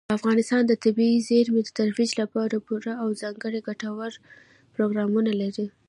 افغانستان د طبیعي زیرمې د ترویج لپاره پوره او ځانګړي ګټور پروګرامونه لري.